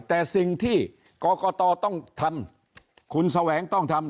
แต่สิ่งที่กรกตต้องทำคุณแสวงต้องทำ